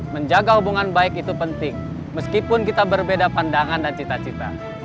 menjaga hubungan baik itu penting meskipun kita berbeda pandangan dan cita cita